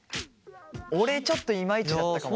俺ちょっといまいちだったかも？